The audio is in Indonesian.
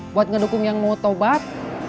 buat ngedukung yang mau tobat